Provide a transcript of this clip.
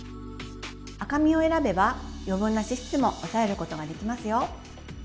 赤身を選べば余分な脂質も抑えることができますよ。